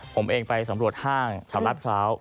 ผมเองไปสำรวจห้างชามรับเท้าร้าว